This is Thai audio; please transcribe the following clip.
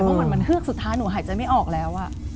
เพราะเหมือนมันเฮือกสุดท้ายหนูหายใจไม่ออกแล้ว